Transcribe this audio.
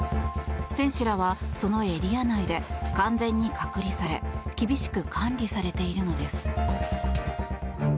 選手らはそのエリア内で完全に隔離され厳しく管理されているのです。